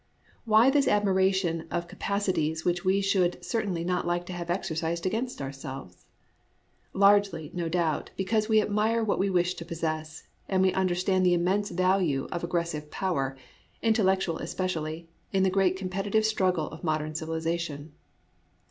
Why this admiration of capacities which we should certainly not like to have exercised against ourselves? Largely, no doubt, be cause we admire what we wish to possess, and we understand the immense value of aggres sive power, intellectual especially, in the great competitive struggle of modern civilization.